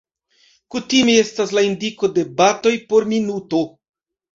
Kutime estas la indiko de batoj por minuto.